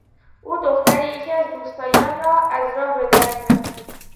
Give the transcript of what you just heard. او دختر یکی از روستاییان را از راه به در کرد.